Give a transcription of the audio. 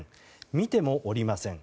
見てもおりません。